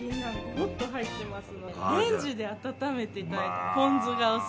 もっと入ってます。